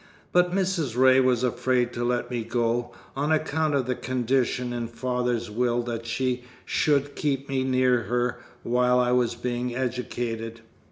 But Mrs. Ray was afraid to let me go, on account of the condition in father's will that she should keep me near her while I was being educated.